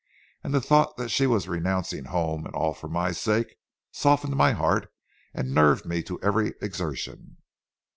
And the thought that she was renouncing home and all for my sake, softened my heart and nerved me to every exertion.